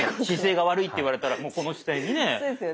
姿勢が悪いって言われたらもうこの姿勢にね。